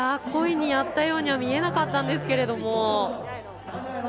故意にやったようには見えなかったんですけれども。